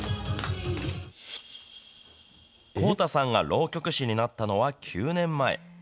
幸太さんが浪曲師になったのは、９年前。